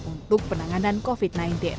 untuk penanganan covid sembilan belas